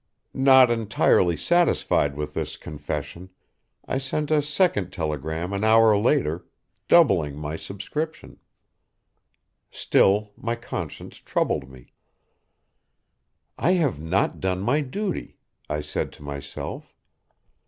Not entirely satisfied with this confession, I sent a second telegram an hour later doubling my subscription. Still my conscience troubled me. "I have not done my duty," I said to myself.